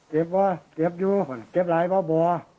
เจ็บว่ะเจ็บอยู่เจ็บไลง์บ้าบ่อ